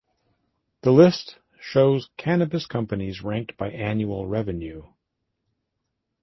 The list shows cannabis companies ranked by annual revenue.